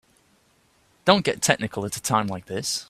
Don't get technical at a time like this.